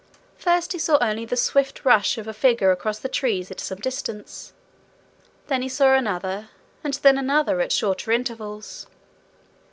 First he saw only the swift rush of a figure across the trees at some distance. Then he saw another and then another at shorter intervals.